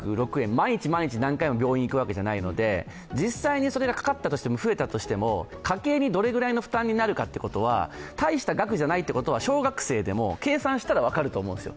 毎日毎日何回も病院に行くわけではないので実際にそれがかかったとしても、増えたとしても家計にどれぐらいの負担になるかということは、小学生でも計算したら分かると思うんですよ。